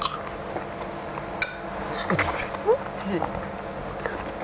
「どっち？」